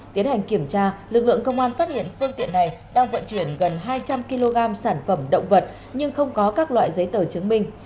tiến hành kiểm tra lực lượng công an phát hiện phương tiện này đang vận chuyển gần hai trăm linh kg sản phẩm động vật nhưng không có các loại giấy tờ chứng minh